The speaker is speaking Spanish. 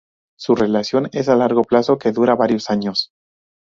Su relación es a largo plazo, que dura varios años.